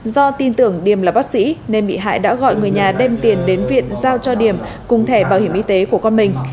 do tin tưởng điềm là bác sĩ nên bị hại đã gọi người nhà đem tiền đến viện giao cho điểm cùng thẻ bảo hiểm y tế của con mình